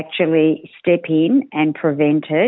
kita harus menerima dan menghindari